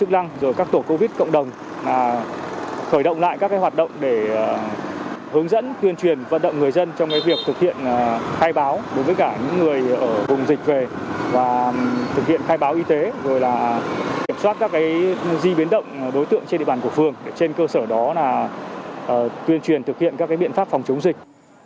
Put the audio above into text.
để di biến động đối tượng trên địa bàn của phường trên cơ sở đó là tuyên truyền thực hiện các biện pháp phòng chống dịch